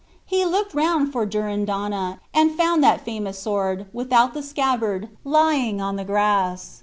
He looked round for Durindana, and found that famous sword, without the scabbard, lying on the grass.